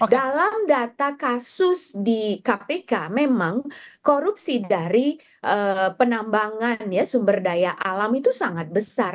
dalam data kasus di kpk memang korupsi dari penambangan sumber daya alam itu sangat besar